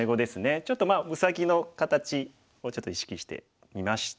ちょっとまあうさぎの形をちょっと意識してみました。